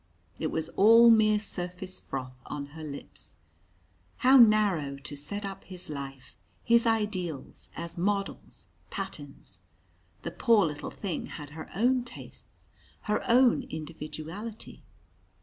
It was all mere surface froth on her lips! How narrow to set up his life, his ideals, as models, patterns! The poor little thing had her own tastes, her own individuality!